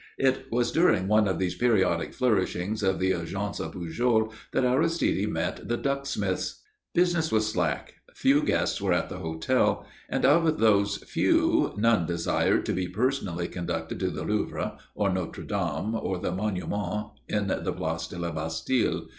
It was during one of these periodic flourishings of the Agence Pujol that Aristide met the Ducksmiths. Business was slack, few guests were at the hotel, and of those few none desired to be personally conducted to the Louvre or Notre Dame or the monument in the Place de la Bastille.